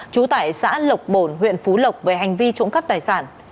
trú tại xã lộc bồn huyện phú lộc về hành vi trộm cắp tài sản